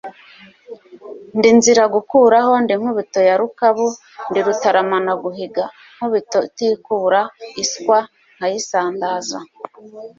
Ndi nzira gukuraho, ndi Nkubito ya Rukabu, Ndi Rutaramanaguhiga.Nkubito itikura iswa nkayisandaza,